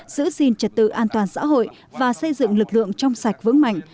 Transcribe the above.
giữ gìn trật tự an toàn xã hội và xây dựng lực lượng trong sạch vững mạnh